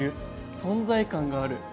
存在感がある。